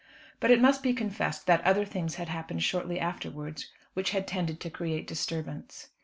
But it must be confessed that other things had happened shortly afterwards which had tended to create disturbance.